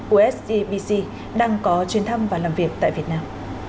usdbc đang có chuyến thăm và làm việc tại việt nam